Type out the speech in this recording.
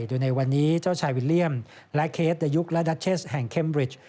โดยในวันนี้เจ้าชายวิลเลี่ยมและเคสเดยุคและดัชเชสแห่งเมริช